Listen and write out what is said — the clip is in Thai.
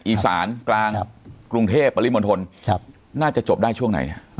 อีสานกลางกรุงเทพปริมณฑลน่าจะจบได้ช่วงไหนเนี่ย